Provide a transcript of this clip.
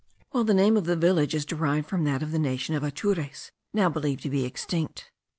while the name of the village is derived from that of the nation of Atures, now believed to be extinct.